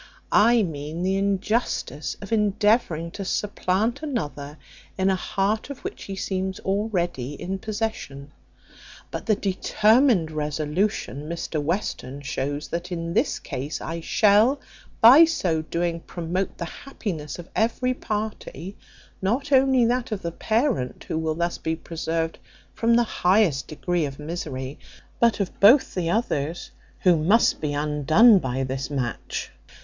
I mean the injustice of endeavouring to supplant another in a heart of which he seems already in possession; but the determined resolution of Mr Western shows that, in this case, I shall, by so doing, promote the happiness of every party; not only that of the parent, who will thus be preserved from the highest degree of misery, but of both the others, who must be undone by this match.